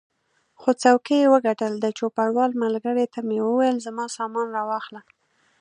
خو څوکۍ یې وګټل، د چوپړوال ملګري ته مې وویل زما سامان را واخله.